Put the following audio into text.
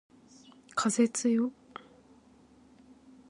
風つよ